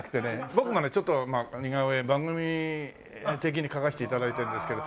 僕もね似顔絵番組的に描かせて頂いてるんですけど。